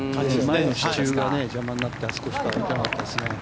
前の支柱が邪魔になってあそこしか打てなかった感じですね。